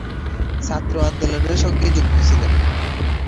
ছাত্র আন্দোলনের সঙ্গে যুক্ত ছিলেন।